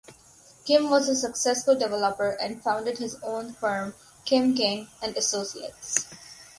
Kim was a successful developer and founded his own firm, Kim King and Associates.